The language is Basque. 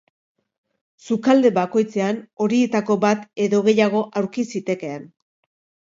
Sukalde bakoitzean, horietako bat edo gehiago aurki zitekeen.